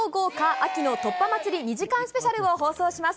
秋の突破祭り２時間スペシャルを放送します。